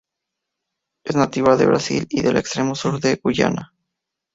Es nativa de Brasil y del extremo sur de Guyana.